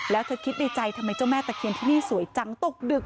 แล้วเธอคิดในใจทำไมเจ้าแม่ตะเคียนที่นี่สวยจังตกดึก